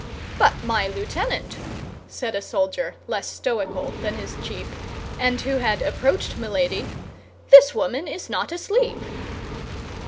"But, my lieutenant," said a soldier, less stoical than his chief, and who had approached Milady, "this woman is not asleep."